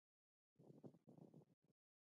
ګیلاس د کابل نښه ده.